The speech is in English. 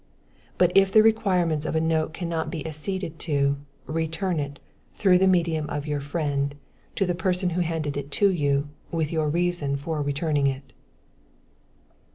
But if the requirements of a note cannot be acceded to, return it, through the medium of your friend, to the person who handed it to you, with your reason for returning it.